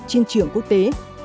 trên trường quốc tế